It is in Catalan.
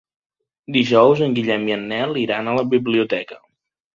Dijous en Guillem i en Nel iran a la biblioteca.